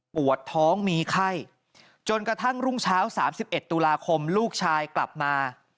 ปวดท้องมีไข้จนกระทั่งรุ่งเช้า๓๑ตุลาคมลูกชายกลับมา